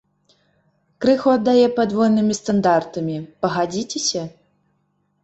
Крыху аддае падвойнымі стандартамі, пагадзіцеся?